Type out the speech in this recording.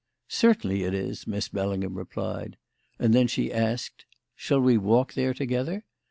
"Certainly it is," Miss Bellingham replied; and then she asked: "Shall we walk there together?"